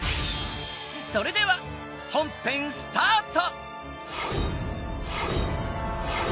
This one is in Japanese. それでは本編スタート！